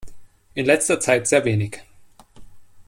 In letzter Zeit sehr wenig.